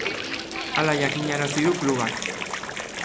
Hala jakinarazi du klubak.